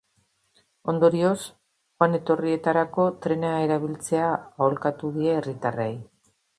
Ondorioz, joan-etorrietarako trena erabiltzea aholkatu die herritarrei.